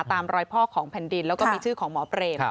ตามรอยพ่อของแผ่นดินแล้วก็มีชื่อของหมอเปรม